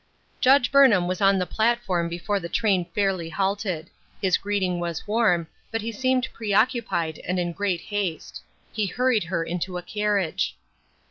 Judge Burnham was on the platform before the train fairly halted ; his greeting was warm, but he seemed preoccupied and in great haste. He hurried her into a carriage.